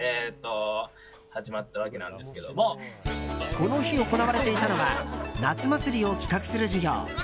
この日行われていたのは夏祭りを企画する授業。